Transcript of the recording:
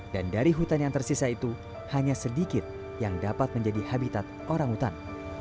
dan dari hutan yang tersisa itu hanya sedikit yang dapat menjadi habitat orang hutan